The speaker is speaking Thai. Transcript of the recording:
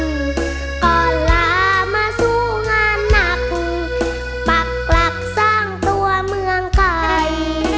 ก่อนลามาสู้งานหนักปักหลักสร้างตัวเมืองไก่